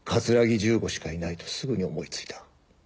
重吾しかいないとすぐに思いついた。